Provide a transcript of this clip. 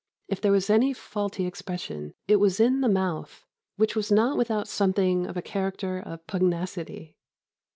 If there was any faulty expression, it was in the mouth, which was not without something of a character of pugnacity.